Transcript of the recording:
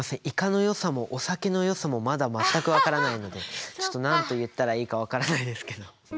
イカのよさもお酒のよさもまだ全く分からないのでちょっと何と言ったらいいか分からないですけど。